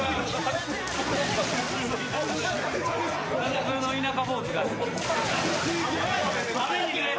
・普通の田舎坊主が。